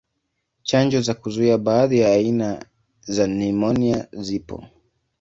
Chanjo za kuzuia baadhi ya aina za nimonia zipo.